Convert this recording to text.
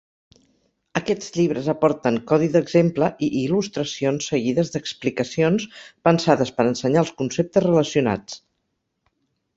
Aquests llibres aporten codi d'exemple i il·lustracions seguides d'explicacions pensades per ensenyar els conceptes relacionats.